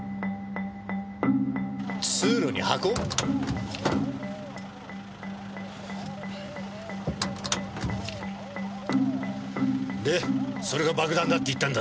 通路に箱？でそれが爆弾だって言ったんだな？